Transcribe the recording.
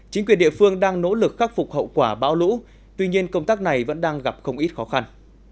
chính quyền địa phương đang nỗ lực khắc phục hậu quả bão lũ tuy nhiên công tác này vẫn đang gặp không ít khó khăn